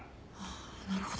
なるほど。